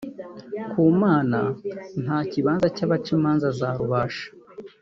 ku Mana nta kibanza cy’abaca imanza za Rubasha